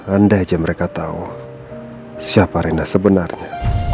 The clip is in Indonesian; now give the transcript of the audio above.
andai aja mereka tahu siapa reina sebenarnya